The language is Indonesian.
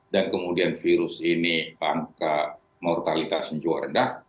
dan kemudian virus ini angka mortalitasnya juga rendah